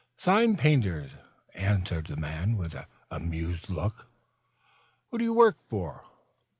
"Sign painters," answered the man, with an amused look. "Who do you work for?"